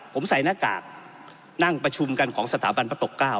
ผมใส่หน้ากากนั่งประชุมกันของสถาบันพระปกเก้า